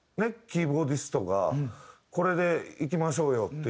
キーボーディストがこれでいきましょうよって言って。